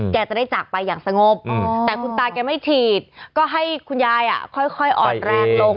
แกจะได้จากไปอย่างสงบแต่คุณตาแกไม่ฉีดก็ให้คุณยายค่อยอ่อนแรงลง